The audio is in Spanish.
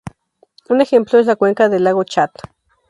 Un ejemplo es la cuenca del lago Chad.